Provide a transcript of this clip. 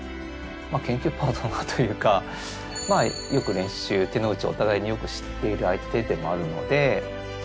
研究パートナーというかよく練習手の内をお互いによく知っている相手でもあるので。